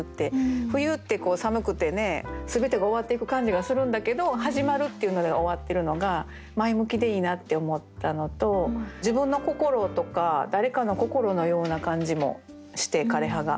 冬ってこう寒くてね全てが終わっていく感じがするんだけど「はじまる」っていうので終わってるのが前向きでいいなって思ったのと自分の心とか誰かの心のような感じもして「枯れ葉」が。